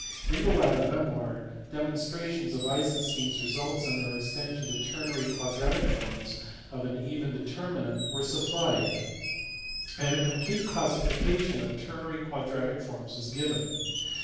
In the latter memoir demonstrations of Eisenstein s results and their extension to ternary quadratic forms of an even determinant were supplied, and a complete classification of ternary quadratic forms was given.